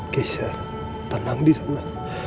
keser tenang disana